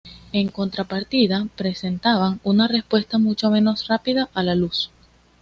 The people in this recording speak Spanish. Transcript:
En contrapartida, presentaban una respuesta mucho menos rápida a la luz.